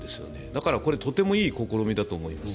だから、これとてもいい試みだと思います。